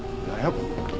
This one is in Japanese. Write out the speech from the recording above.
これ。